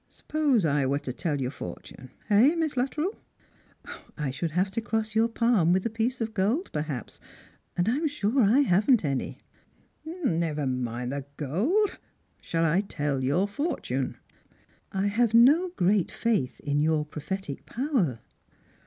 " Suppose I were to tell your fortune — eh. Miss Luttrell? "" I should have to cross yonr ^mlm with a piece of gold, per haps, and I'm sure I haven't any." •' Never mind the gold. Shall I tell you your fortune ?" "I have no great faith in your prophetic power."